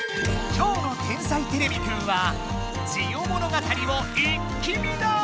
今日の「天才てれびくん」は「ジオ物語」を一気見だ！